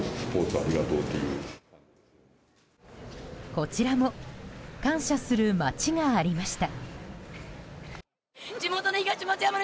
こちらも感謝する街がありました。